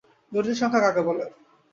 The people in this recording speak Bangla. জটিল সংখ্যা কাকে বলে?